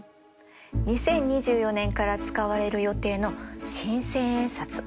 ２０２４年から使われる予定の新千円札。